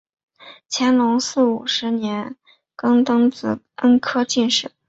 乾隆四十五年登庚子恩科进士。